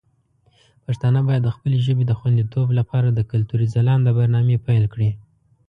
پښتانه باید د خپلې ژبې د خوندیتوب لپاره د کلتوري ځلانده برنامې پیل کړي.